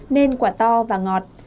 nên quả to và ngọt